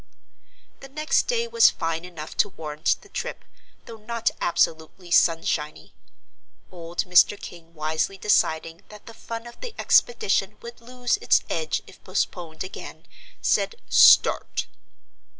The next day was fine enough to warrant the trip, though not absolutely sunshiny. Old Mr. King wisely deciding that the fun of the expedition would lose its edge if postponed again, said, "Start!"